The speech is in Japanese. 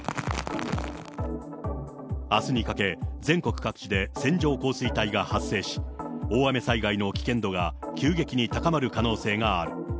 あすにかけ、全国各地で線状降水帯が発生し、大雨災害の危険度が急激に高まる可能性がある。